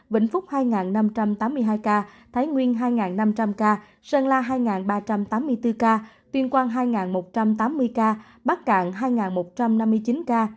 vĩnh phúc hai năm trăm tám mươi hai ca thái nguyên hai năm trăm linh ca sơn la hai ba trăm tám mươi bốn ca tuyên quang hai một trăm tám mươi ca bắc cạn hai một trăm năm mươi chín ca